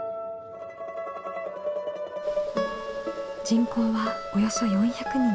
人口はおよそ４００人。